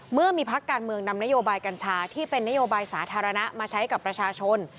เมื่อมีพักการเมืองนำนโยบายกัญชาที่เป็นนโยบายสาธารณะมาใช้กับประชาชน